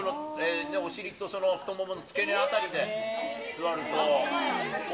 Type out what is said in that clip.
お尻と太ももの付け根あたりで座ると。